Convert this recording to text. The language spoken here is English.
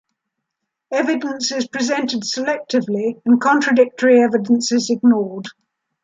Evidence is presented selectively and contradictory evidence is ignored.